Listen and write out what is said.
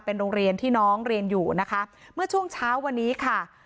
เป็นโรงเรียนที่น้องเรียนอยู่นะคะเมื่อช่วงเช้าวันนี้ค่ะ